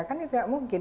kan itu tidak mungkin